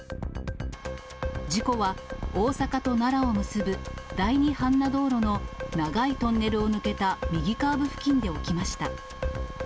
事故は大阪と奈良を結ぶ第二阪奈道路の長いトンネルを抜けた右カーブ付近で起きました。